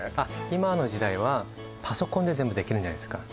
今の時代はパソコンで全部できるじゃないですか